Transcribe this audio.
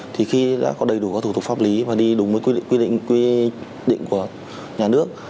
thì khi đã có đầy đủ các thủ tục pháp lý và đi đúng với quy định quy định của nhà nước